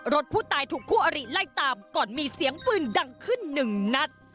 รถผู้ตายถูกคู่อริไล่ตามก่อนมีเสียงปืนดังขึ้นหนึ่งนัด